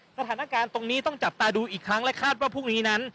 สถานการณ์ตรงนี้ต้องจับตาดูอีกครั้งและคาดว่าพรุ่งนี้นั้น